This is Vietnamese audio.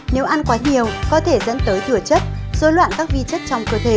nếu ăn quá nhiều có thể dẫn tới thừa chất rối loạn các vi chất trong cơ thể